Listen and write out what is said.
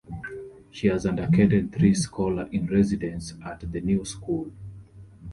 She has undertaken three scholar-in-residences at The New School.